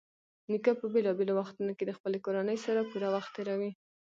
نیکه په بېلابېلو وختونو کې د خپلې کورنۍ سره پوره وخت تېروي.